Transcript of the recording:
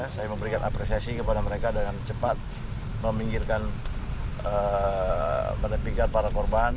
saya memberikan apresiasi kepada mereka dengan cepat meminggirkan pada tingkat para korban